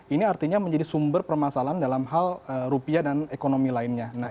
ini artinya menjadi sumber permasalahan dalam hal rupiah dan ekonomi lainnya